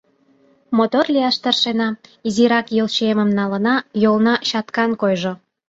Мотор лияш тыршена, изирак йолчиемым налына, йолна чаткан койжо.